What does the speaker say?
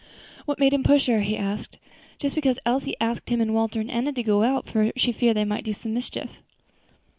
"What made him push her?" he asked. "Just because Elsie asked him, and Walter, and Enna to go out, for fear they might do some mischief."